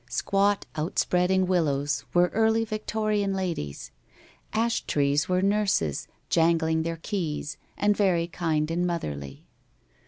Squat outspreading willows were early Victorian ladies. Ash trees were nurses, jangling their keys and very kind and motherly.